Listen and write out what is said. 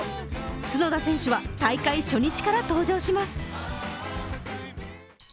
角田選手は大会初日から登場します。